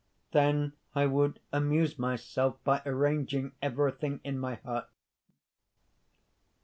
Then I would amuse myself by arranging everything in my hut.